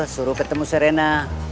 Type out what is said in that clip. suruh ketemu serena